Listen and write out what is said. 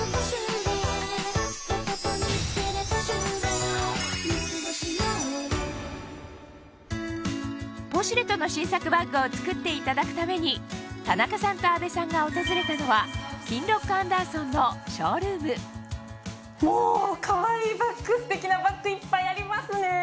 お見逃しなく『ポシュレ』との新作バッグを作っていただくために田中さんと阿部さんが訪れたのはキンロックアンダーソンのショールームもうかわいいバッグステキなバッグいっぱいありますね。